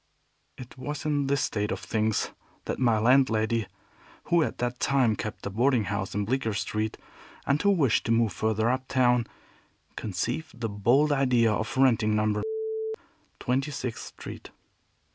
It was in this state of things that my landlady, who at that time kept a boarding house in Bleecker Street, and who wished to move further up town, conceived the bold idea of renting No. Twenty sixth Street.